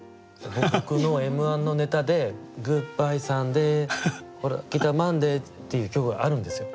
僕の「Ｍ‐１」のネタで「グッバイサンデーほらきたマンデー」っていう曲があるんですよ。